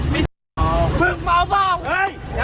มึงเมาเปล่า